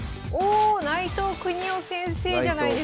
お内藤國雄先生じゃないですか！